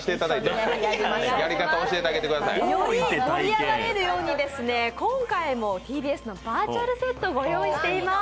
盛り上がれるように今回もＴＢＳのバーチャルセット御用意しています。